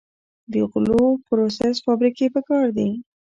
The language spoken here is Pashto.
د غلو پروسس فابریکې پکار دي.